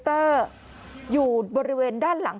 กลุ่มตัวเชียงใหม่